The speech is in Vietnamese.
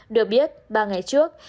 được biết ba ngày trước